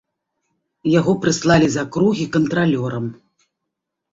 Яго прыслалі з акругі кантралёрам.